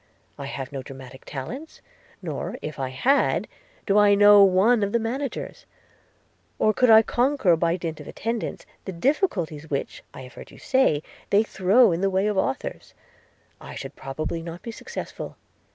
– I have no dramatic talents; nor, if I had, do I know one of the managers; or could I conquer, by dint of attendance, the difficulties which, I have heard you say, they throw in the way of authors – I should probably not be successful.'